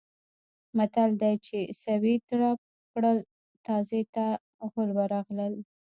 متل دی: چې سویې ترپ کړل تازي ته غول ورغلل.